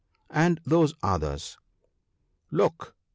And those others — 1 Look